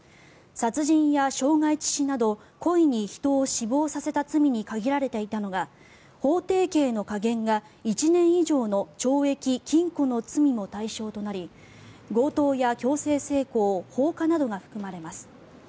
殺人や傷害致死など故意に人を死亡させた罪に限られていたのが法定刑の下限が１年以上の懲役・禁錮の罪も対象となり強盗や強制性交、放火などが含まれます。